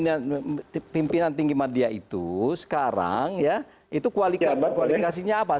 nah pimpinan tinggi media itu sekarang ya itu kualifikasinya apa